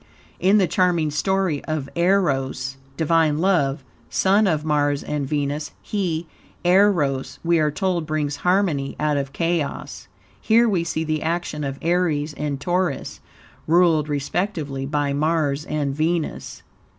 In the charming story of Eros (Divine Love), son of Mars and Venus, he (Eros), we are told, brings harmony out of chaos. Here, we see the action of Aries and Taurus, ruled respectively by Mars and Venus.